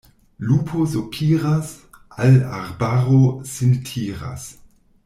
Lupo sopiras, al arbaro sin tiras.